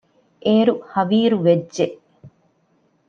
އޭރު ހަވީރުވެއްޖެ